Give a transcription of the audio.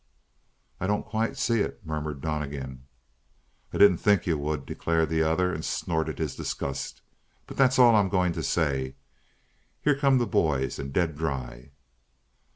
"I don't quite see it," murmured Donnegan. "I didn't think you would," declared the other, and snorted his disgust. "But that's all I'm going to say. Here come the boys and dead dry!"